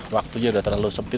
waktunya udah terlalu sempat